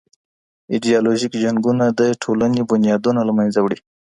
ایډیالوژیک جنګونه د ټولني بنیادونه له منځه وړي.